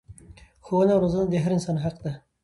ښوونه او روزنه د هر انسان حق دی.